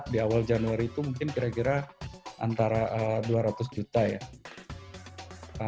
di awal januari itu mungkin kira kira antara dua ratus juta ya